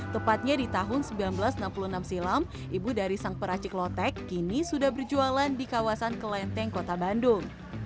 tepatnya di tahun seribu sembilan ratus enam puluh enam silam ibu dari sang peracik lotek kini sudah berjualan di kawasan kelenteng kota bandung